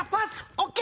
ＯＫ。